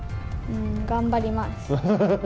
頑張ります。